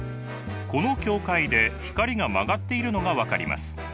この境界で光が曲がっているのが分かります。